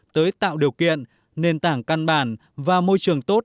tới tạo điều kiện nền tảng căn bản và môi trường tốt